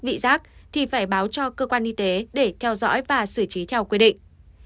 vị giác thì phải báo cho cơ quan y tế để theo dõi và xử trí theo quy định